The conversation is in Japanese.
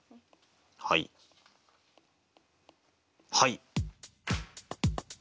はいはい。